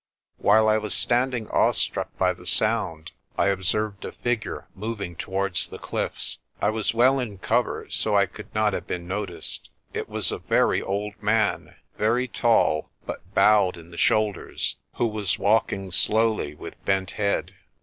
While I was standing awestruck at the sound, I observed a figure moving towards the cliffs. I was well in cover, so I could not have been noticed. It was a very old man, very tall, but bowed in the shoulders, who was walking slowly with bent head.